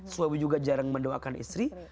suami juga jarang mendoakan istri